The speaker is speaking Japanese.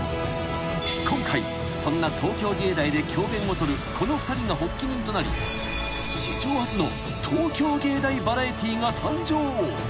［今回そんな東京藝大で教鞭を執るこの２人が発起人となり史上初の東京藝大バラエティーが誕生］